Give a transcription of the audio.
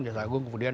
jasa agung kemudian